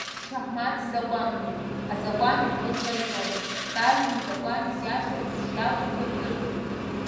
Чаҳмаҭ закәануаҩуп, азакәан иаҳәоз ҟаиҵон, Сталин изакәан иазиашоу аӡәы шиакәу дырдыртәуп.